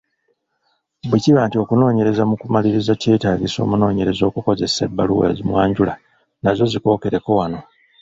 Bwe kiba nti okunoonyereza mu kumaliriza kyetaagisa omunoonyereza okukozesa ebbaluwa ezimwanjula, nazo zikookereko wano.